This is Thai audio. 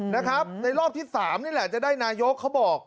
นะครับในรอบที่๓นี่แหละจะได้นายกเขาบอก